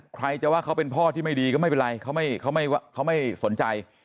ใครจะว่าเขาเป็นพ่อที่ไม่ดีก็ไม่เป็นไรเขาไม่สนใจ